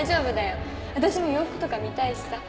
私も洋服とか見たいしさ